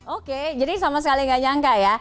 oke jadi sama sekali gak nyangka ya